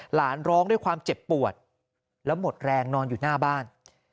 ร้องด้วยความเจ็บปวดแล้วหมดแรงนอนอยู่หน้าบ้าน